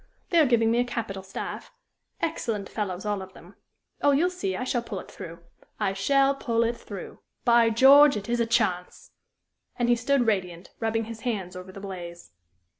They are giving me a capital staff. Excellent fellows, all of them. Oh, you'll see, I shall pull it through I shall pull it through. By George! it is a chance!" And he stood radiant, rubbing his hands over the blaze.